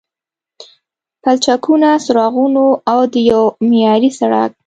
پلچکونو، څراغونو او د یوه معیاري سړک